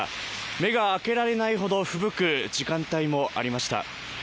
目が開けられないほどふぶく時間帯もありました